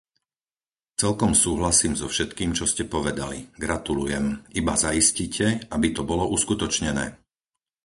Celkom súhlasím so všetkým, čo ste povedali - gratulujem; iba zaistite, aby to bolo uskutočnené.